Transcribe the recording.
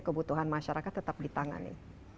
kebutuhan masyarakat tetap ditangani